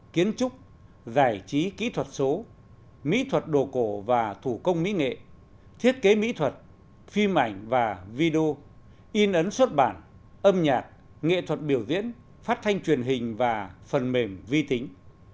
kiến trúc giải trí kỹ thuật số mỹ thuật đồ cổ và thủ công mỹ nghệ thiết kế mỹ thuật phim ảnh và video in ấn xuất bản âm nhạc nghệ thuật biểu diễn phát thanh truyền hình và phần mềm vi tính